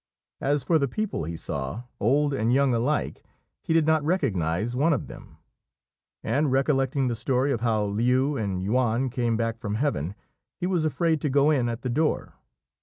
As for the people he saw, old and young alike, he did not recognise one of them; and recollecting the story of how Liu and Yüan came back from heaven, he was afraid to go in at the door.